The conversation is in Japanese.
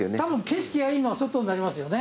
景色がいいのは外になりますよね。